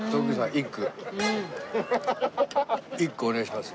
一句お願いします。